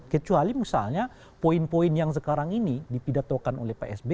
kecuali misalnya poin poin yang sekarang ini dipidatakan oleh psb